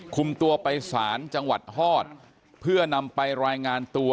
คุมตัวไปศาลจังหวัดฮอตเพื่อนำไปรายงานตัว